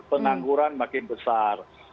pengangguran makin besar